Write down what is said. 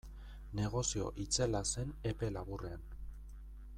Negozio itzela zen epe laburrean.